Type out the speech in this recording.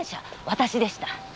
私でした。